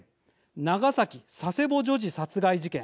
長崎佐世保女児殺害事件